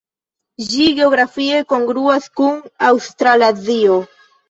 Ĝi geografie kongruas kun Aŭstralazio.